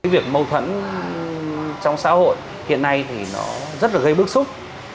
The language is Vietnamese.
việc mâu thuẫn trong xã hội hiện nay thì nó rất là gây bức xúc